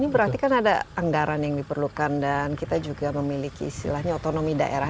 ini berarti kan ada anggaran yang diperlukan dan kita juga memiliki istilahnya otonomi daerah